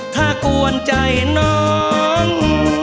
ถ้ากวนใจน้อง